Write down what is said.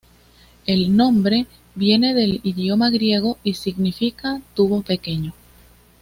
El nombre viene del idioma griego y significa tubo pequeño.